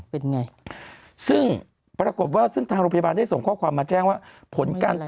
เป็นไงซึ่งปรากฏว่าซึ่งทางโรงพยาบาลได้ส่งข้อความมาแจ้งว่าผลการตรวจ